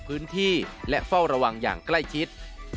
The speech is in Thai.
พื้นที่และเฝ้าระวังอย่างใกล้ชิด